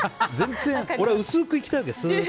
俺、薄くいきたいわけ。